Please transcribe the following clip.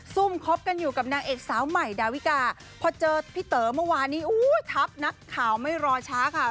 ซุ่มคบกันอยู่กับนางเอกสาวใหม่ดาวิกาพอเจอพี่เต๋อเมื่อวานนี้ทัพนักข่าวไม่รอช้าค่ะ